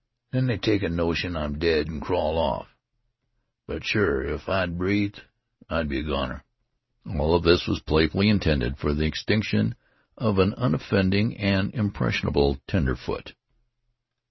Then they take a notion I'm dead an' crawl off. But sure, if I'd breathed I'd been a goner!" All of this was playfully intended for the extinction of an unoffending and impressionable tenderfoot.